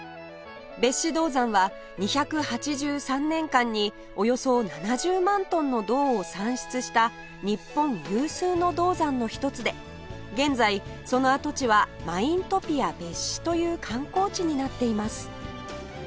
別子銅山は２８３年間におよそ７０万トンの銅を産出した日本有数の銅山の一つで現在その跡地はマイントピア別子という観光地になっています